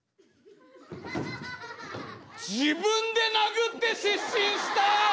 自分で殴って失神した！